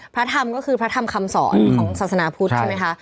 พระธรรมก็คือพระธรรมคำสอนของศาสนาพุทธใช่ไหมคะ